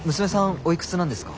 おいくつなんですか？